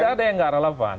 ada yang nggak relevan